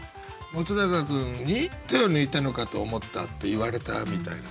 本君に「手を抜いたのかと思った」って言われたみたいな。